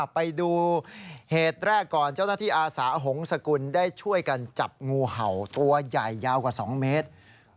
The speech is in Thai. ไปดูเหตุแรกก่อนเจ้าหน้าที่อาสาหงษกุลได้ช่วยกันจับงูเห่าตัวใหญ่ยาวกว่า๒เมตร